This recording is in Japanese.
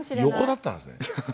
横だったんですね。